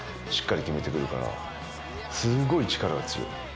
すごい力が強い。